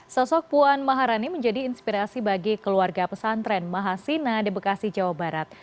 sosok puan maharani menjadi inspirasi bagi keluarga pesantren mahasina di bekasi jawa barat